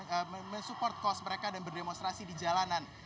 dan men support cause mereka dan berdemonstrasi di jalanan